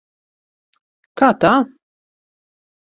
Kā tā?